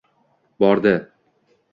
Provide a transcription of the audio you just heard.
Bordi